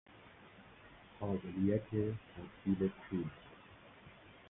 قابلیّت تبدیل پول